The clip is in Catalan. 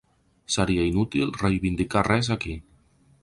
Seria inútil reivindicar res aquí.